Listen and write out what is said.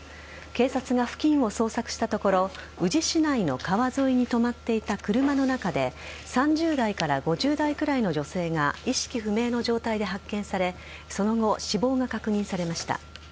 警察が付近を捜索したところ宇治市内の川沿いに止まっていた車の中で３０代から５０代くらいの女性が意識不明の状態で発見されその後、死亡が確認されました。